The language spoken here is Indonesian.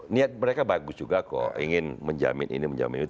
niat mereka bagus juga kok ingin menjamin ini menjamin itu